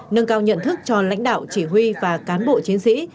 nâng cao nhận thức cho lãnh đạo chỉ huy và cán bộ chiến sĩ